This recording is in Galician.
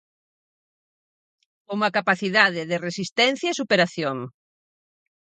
Como a capacidade de resistencia e superación.